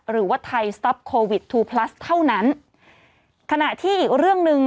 หรือว่าไทยสต๊อปโควิดทูพลัสเท่านั้นขณะที่อีกเรื่องหนึ่ง